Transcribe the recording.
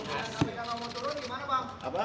kalau nggak mau turun gimana pak